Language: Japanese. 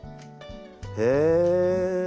へえ！